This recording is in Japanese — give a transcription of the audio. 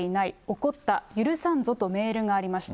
怒った、許さんぞとメールがありました。